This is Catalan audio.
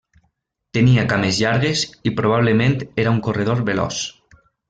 Tenia cames llargues i probablement era un corredor veloç.